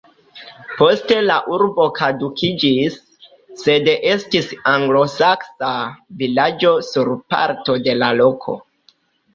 Poste la urbo kadukiĝis, sed estis anglosaksa vilaĝo sur parto de la loko.